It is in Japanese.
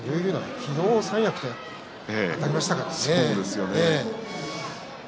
昨日三役とあたりましたからね。